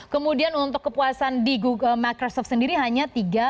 kemudian untuk kepuasan di google microsoft sendiri hanya tiga